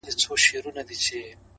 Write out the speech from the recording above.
• راته وایه ستا به څو وي اولادونه ,